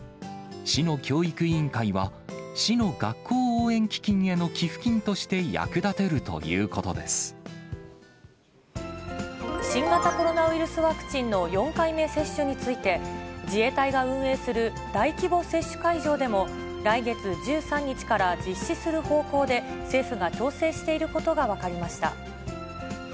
市の教育委員会は、市の学校応援基金への寄付金として役立てると新型コロナウイルスワクチンの４回目接種について、自衛隊が運営する大規模接種会場でも、来月１３日から実施する方向で、政府が調整していることが分かりました。